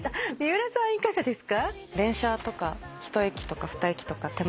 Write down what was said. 剛さんはいかがですか？